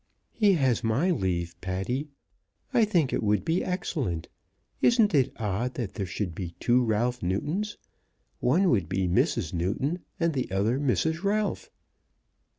"He has my leave, Patty. I think it would be excellent. Isn't it odd that there should be two Ralph Newtons. One would be Mrs. Newton and the other Mrs. Ralph."